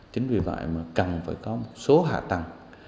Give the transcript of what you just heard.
chính vì vậy mà cần phải có một số hạ tầng